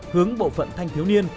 hướng bộ phận thanh thiếu niên